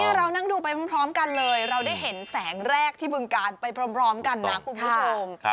เรานั่งดูไปพร้อมกันเลยเราได้เห็นแสงแรกที่บึงการไปพร้อมกันนะคุณผู้ชม